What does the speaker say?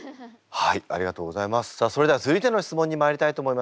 はい！